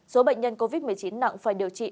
số bệnh nhân covid một mươi chín nặng phải điều trị